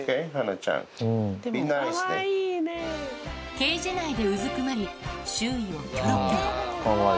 ケージ内でうずくまり、周囲をきょろきょろ。